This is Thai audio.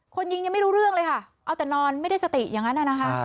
คนยิงยังไม่รู้เรื่องเลยค่ะเอาแต่นอนไม่ได้สติอย่างนั้นนะคะ